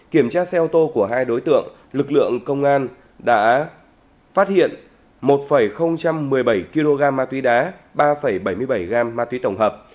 kiểm tra xe ô tô của hai đối tượng lực lượng công an đã phát hiện một một mươi bảy kg ma túy đá ba bảy mươi bảy gram ma túy tổng hợp